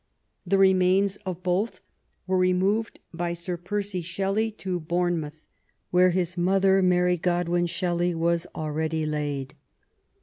The remains of both were removed by Sir Percy Shelley to Bournemouth, where his mother, Mary Godwin Shelley, was already laid.